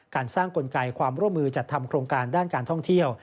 การสร้างกลไกความร่วมมือจัดทำโครงการด้านการท่องเที่ยว